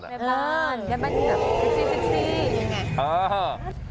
แม่บ้านแบบเซ็กซี่อย่างไร